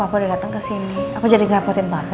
aku udah dateng kesini aku jadi ngerampotin papa